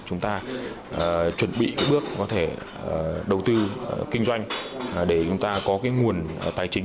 chúng ta chuẩn bị bước có thể đầu tư kinh doanh để chúng ta có nguồn tài chính